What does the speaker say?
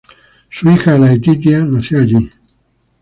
Su hija Laetitia nació allí.